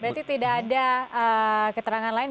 berarti tidak ada keterangan lain